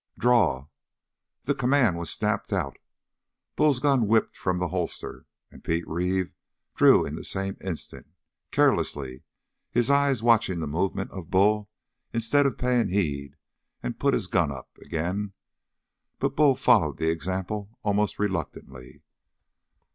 "Draw!" The command was snapped out; Bull's gun whipped from the holster; and Pete Reeve drew in the same instant, carelessly, his eyes watching the movement of Bull instead of paying heed and put his gun up again, but Bull followed the example almost reluctantly.